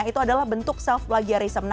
itu adalah bentuk self plagiarism